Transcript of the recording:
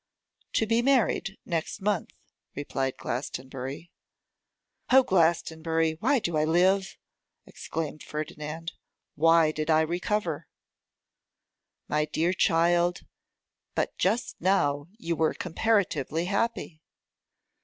'To be married next month,' replied Glastonbury. 'O Glastonbury! why do I live?' exclaimed Ferdinand; 'why did I recover?' 'My dear child, but just now you were comparatively happy.